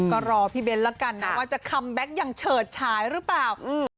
ก็รอพี่เบ้นแล้วกันนะว่าจะคัมแบ็คอย่างเฉิดฉายหรือเปล่า